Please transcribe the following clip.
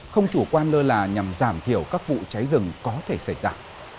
không chủ quan lơ là nhằm giảm thiểu các vụ cháy rừng có thể xảy ra